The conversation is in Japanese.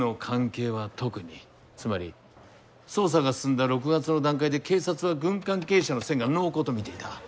つまり捜査が進んだ６月の段階で警察は軍関係者の線が濃厚と見ていた。